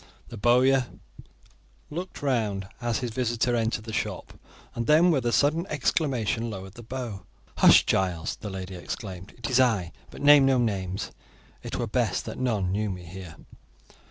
The bowyer looked round as his visitor entered the shop, and then, with a sudden exclamation, lowered the bow. "Hush, Giles!" the lady exclaimed; "it is I, but name no names; it were best that none knew me here."